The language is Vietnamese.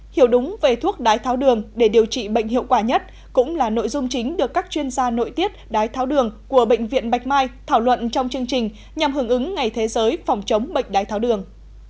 hiểu đúng về thuốc đái tháo đường để điều trị bệnh hiệu quả nhất cũng là nội dung chính được các chuyên gia nội tiết đái tháo đường của bệnh viện bạch mai thảo luận trong chương trình nhằm hưởng ứng ngày thế giới phòng chống bệnh đái tháo đường